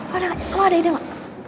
lo ada ide gak